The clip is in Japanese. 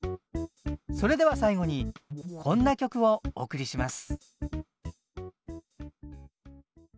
それでは最後にこんな曲をお送りします。